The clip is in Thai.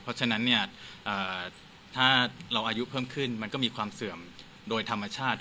เพราะฉะนั้นถ้าเราอายุเพิ่มขึ้นมันก็มีความเสื่อมโดยธรรมชาติ